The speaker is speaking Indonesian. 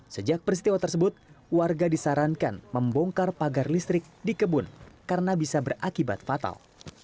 sejak peristiwa tersebut warga disarankan membongkar pagar listrik di kebun karena bisa berakibat fatal